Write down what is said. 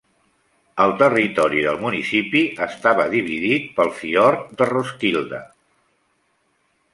El territori del municipi està dividit pel fiord de Roskilde.